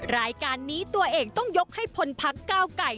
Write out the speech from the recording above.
รายการนี้ตัวเองต้องยกให้พลพักก้าวไก่